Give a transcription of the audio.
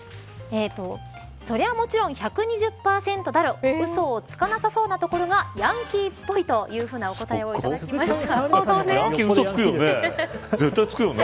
そりゃ、もちろん１２０％だろうそをつかなさそうなところがヤンキーっぽいとお答えをいただきました。